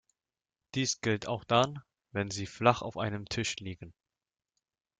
Dies gilt auch dann, wenn sie flach auf einem Tisch liegen.